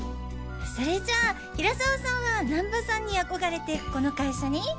それじゃあ平沢さんは難波さんに憧れてこの会社に？